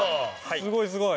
すごいすごい！